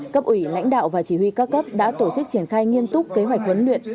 cấp ủy lãnh đạo và chỉ huy các cấp đã tổ chức triển khai nghiêm túc kế hoạch huấn luyện